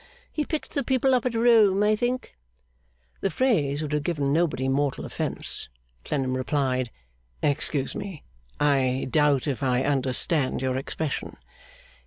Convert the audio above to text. He picked the people up at Rome, I think?' The phrase would have given nobody mortal offence. Clennam replied, 'Excuse me, I doubt if I understand your expression.